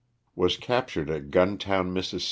Was cap tured at Guntown, Miss.